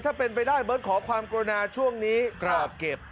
ถ้าเป็นไปได้เบิร์ตขอความกรุณาช่วงนี้กราบเก็บ